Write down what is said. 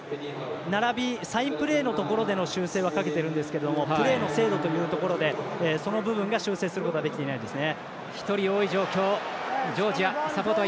サインプレーのところでの修正はかけているんですけどプレーの精度というところで修正することができていないですね。